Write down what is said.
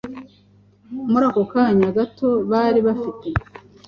muri ako kanya gato bari bafite